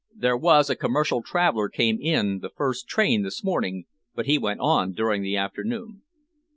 There was a commercial traveller came in the first train this morning, but he went on during the afternoon."